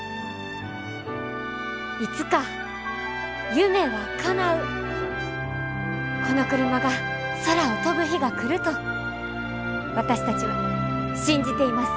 いつか夢はかなうこのクルマが空を飛ぶ日が来ると私たちは信じています。